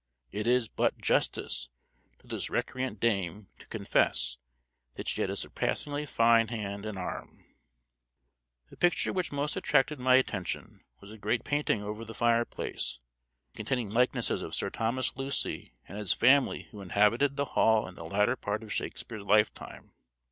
It is but justice to this recreant dame to confess that she had a surpassingly fine hand and arm. The picture which most attracted my attention was a great painting over the fireplace, containing likenesses of Sir Thomas Lucy and his family who inhabited the hall in the latter part of Shakespeare's lifetime.